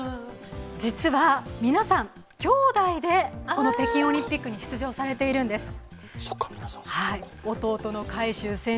実は皆さん、兄弟でこの北京オリンピックに出場されているんです。